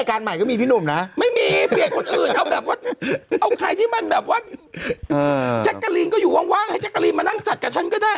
ก็มีที่นุ่มนะไม่มีเรื่องอื่นอะไรแบบไว้ไปที่มันแบบว่าแกกลิ้งก็อยู่ว้างให้การงานใจกับชั้นก็ได้